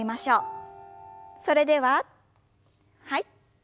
それでははい。